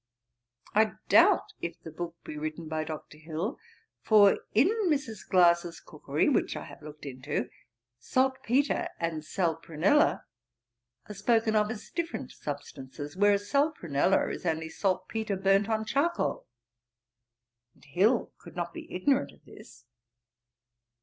I doubt if the book be written by Dr. Hill; for, in Mrs. Glasse's Cookery, which I have looked into, salt petre and sal prunella are spoken of as different substances, whereas sal prunella is only salt petre burnt on charcoal; and Hill could not be ignorant of this.